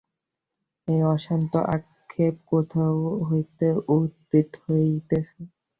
এই অশান্ত আক্ষেপ কোথা হইতে উত্থিত হইতেছে।